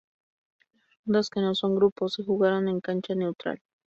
Las rondas que no son grupos se jugaron en cancha neutral.